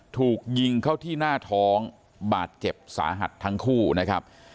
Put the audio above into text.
ถูกยิงเข้าที่หน้าท้องบาดเจ็บสาหัสทั้งคู่นะครับ